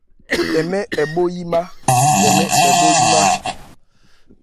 Tɛmɛ̂ ɛ bhó yímá.